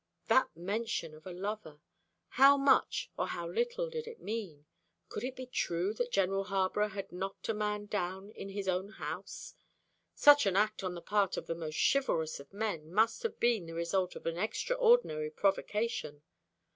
That mention of a lover! How much or how little did it mean? Could it be true that General Harborough had knocked a man down in his own house? Such an act on the part of the most chivalrous of men must have been the result of extraordinary provocation.